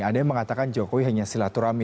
ada yang mengatakan jokowi hanya silaturahmi